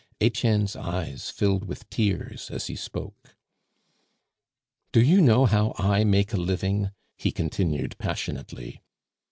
Etienne's eyes filled with tears as he spoke. "Do you know how I make a living?" he continued passionately.